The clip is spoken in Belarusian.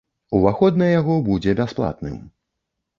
Уваход на яго будзе бясплатным.